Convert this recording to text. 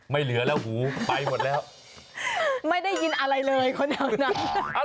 ไม่เหลือแล้วหูไปหมดแล้วไม่ได้ยินอะไรเลยคนแถวนั้น